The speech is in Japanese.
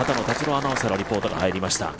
アナウンサーのリポートがありました。